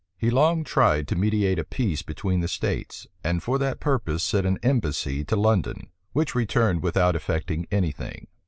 He long tried to mediate a peace between the states, and for that purpose sent an embassy to London, which returned without effecting any thing.